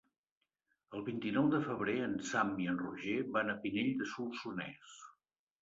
El vint-i-nou de febrer en Sam i en Roger van a Pinell de Solsonès.